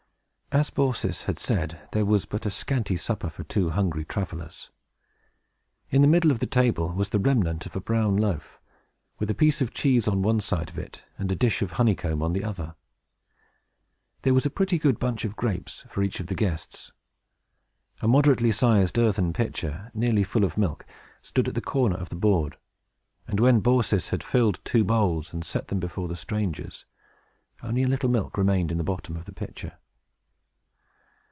As Baucis had said, there was but a scanty supper for two hungry travelers. In the middle of the table was the remnant of a brown loaf, with a piece of cheese on one side of it, and a dish of honeycomb on the other. There was a pretty good bunch of grapes for each of the guests. A moderately sized earthen pitcher, nearly full of milk, stood at a corner of the board; and when Baucis had filled two bowls, and set them before the strangers, only a little milk remained in the bottom of the pitcher.